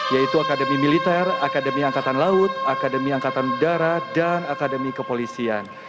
yaitu akademi militer akademi angkatan laut akademi angkatan udara dan akademi kepolisian